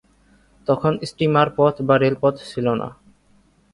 তখন স্টিমার পথ বা রেলপথ ছিলনা।